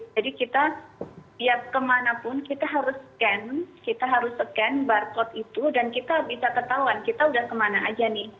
jadi kita tiap kemanapun kita harus scan kita harus scan barcode itu dan kita bisa ketahuan kita udah kemana aja nih